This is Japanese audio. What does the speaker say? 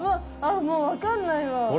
あっもうわかんないわ。